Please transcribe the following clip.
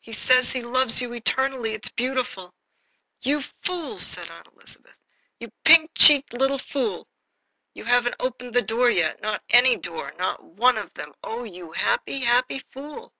He says he loves you eternally. It's beautiful!" "You fool!" said Aunt Elizabeth. "You pink cheeked little fool! You haven't opened the door yet not any door, not one of them oh, you happy, happy fool!"